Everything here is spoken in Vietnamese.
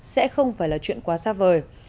sẽ không phải là chuyện quá xa vời